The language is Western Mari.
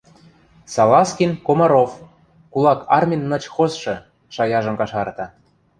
— Салазкин — Комаров, кулак армин начхозшы, — шаяжым кашарта.